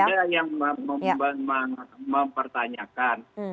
ada yang mempertanyakan